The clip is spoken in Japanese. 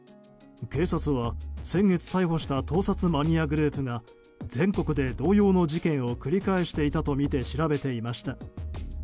警察は先月、逮捕した盗撮マニアグループが全国で同様の事件を繰り返していたとみて調べていました。